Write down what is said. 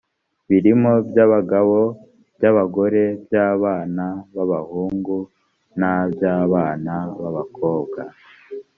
birimo by abagabo by abagore by abana b abahungu na by abana b abakobwa